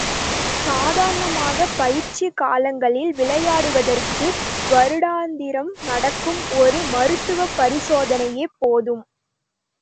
சாதாரணமாக பயிற்சி காலங்களில் விளையாடுவதற்கு வருடாந்திரம் நடக்கும் ஒரு மருத்துவ பரிசோதனையே போதும்.